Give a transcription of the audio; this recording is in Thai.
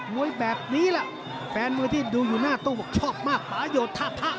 มวยแบบนี้แหละแฟนมือที่ดูอยู่หน้าตู้เฉาบมากหมาโหยดผ้าผลา